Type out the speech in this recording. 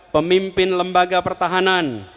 pemimpin lembaga pertahanan